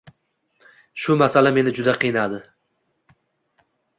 Shu masala meni juda qiynadi